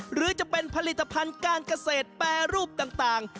หรือจะเป็นผลิตภัณฑ์การเกษตรแปรรูปต่าง